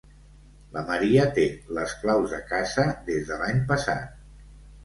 La Maria té les claus de casa des de l'any passat.